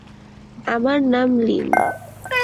আমার নাম লীম!